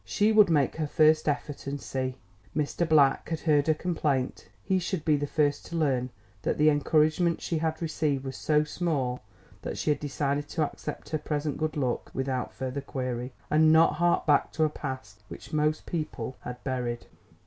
She would make her first effort and see. Mr. Black had heard her complaint; he should be the first to learn that the encouragement she had received was so small that she had decided to accept her present good luck without further query, and not hark back to a past which most people had buried.